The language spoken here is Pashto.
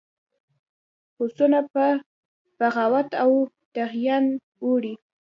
هوسونه په بغاوت او طغیان اوړي.